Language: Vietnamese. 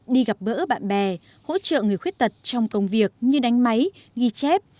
đi gặp gỡ bạn bè hỗ trợ người khuyết tật trong công việc như đánh máy ghi chép